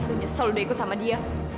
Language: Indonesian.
aku nyesal udah ikut sama dia